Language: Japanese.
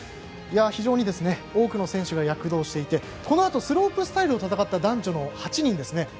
非常に多くの選手が躍動していてこのあとスロープスタイルを戦った男女の８人ですね。